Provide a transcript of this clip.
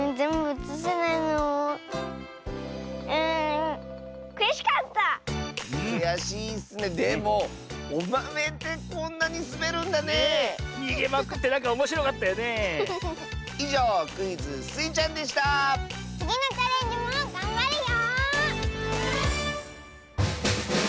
つぎのチャレンジもがんばるよ！